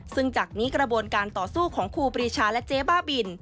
ซึ่งจากนี้กระบวนการต่อสู้ของครูปรีชาและเจ๊บ้าบิน